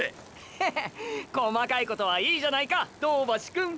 ハハッ細かいことはいいじゃないか銅橋くん。